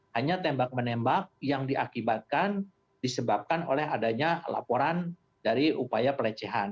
hanya tembak menembak yang diakibatkan disebabkan oleh adanya laporan dari upaya pelecehan